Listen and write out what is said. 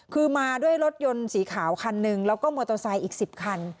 คือมาด้วยรถยนต์สีขาวคันหนึ่งแล้วก็มอเตอร์ไซค์อีก๑๐คัน